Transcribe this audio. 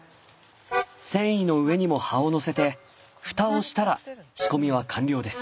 繊維の上にも葉を乗せて蓋をしたら仕込みは完了です。